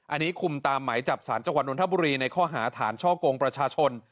อันนี้คุมตามหมายจับสารจังหวัดนทบุรีในข้อหาฐานช่อกงประชาชน